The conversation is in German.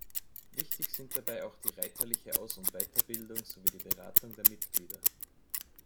Wichtig sind dabei auch die reiterliche Aus- und Weiterbildung sowie die Beratung der Mitglieder.